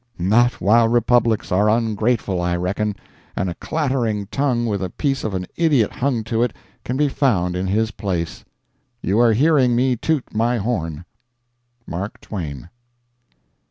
Not while republics are ungrateful, I reckon, and a clattering tongue with a piece of an idiot hung to it can be found in his place. You are hearing me toot my horn! MARK TWAIN.